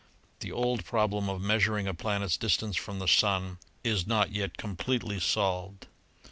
The old problem of measuring a planet's distance from the Sun its not yet completely solved.